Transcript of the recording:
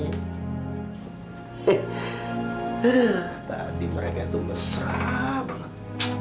eh tadi mereka itu mesra banget